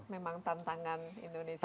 memang tantangan indonesia